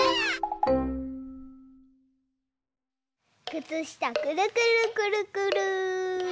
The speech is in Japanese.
くつしたくるくるくるくる。